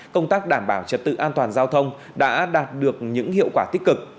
công tác đảm bảo trật tự an toàn giao thông đã đạt được những hiệu quả tích cực